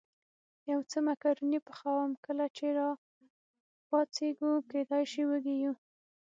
یو څه مکروني پخوم، کله چې را پاڅېږو کېدای شي وږي یو.